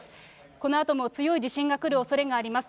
このあとも強い地震が来るおそれがあります。